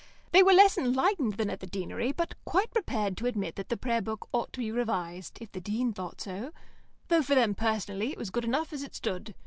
They were less enlightened than at the Deanery, but quite prepared to admit that the Prayer Book ought to be revised, if the Dean thought so, though for them, personally, it was good enough as it stood.